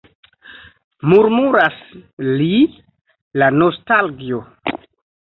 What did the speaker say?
Murmuras li, la nostalgio!